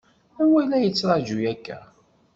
Anwa i la yettṛaǧu akka?